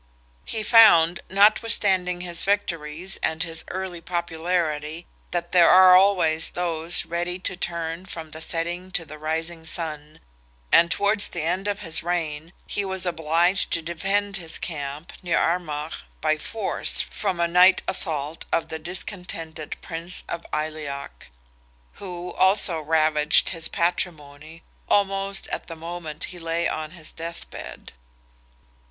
He found, notwithstanding his victories and his early popularity, that there are always those ready to turn from the setting to the rising sun, and towards the end of his reign he was obliged to defend his camp, near Armagh, by force, from a night assault of the discontented Prince of Aileach; who also ravaged his patrimony, almost at the moment he lay on his death bed.